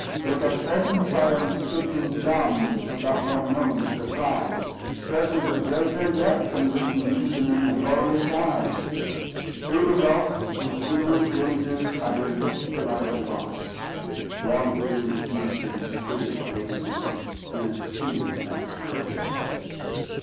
With a presence I am smitten Dumb, with a foreknown surprise; Presence greater yet than written Even in the glorious eyes. Through the gulfs, with inward gazes, I may look till I am lost; Wandering deep in spirit mazes, In a sea without a coast.